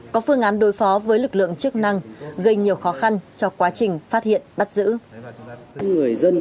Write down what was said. có phương án đối phó với lực lượng chức năng gây nhiều khó khăn cho quá trình phát hiện bắt giữ